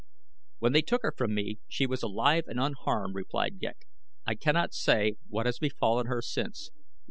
"When they took her from me she was alive and unharmed," replied Ghek. "I cannot say what has befallen her since.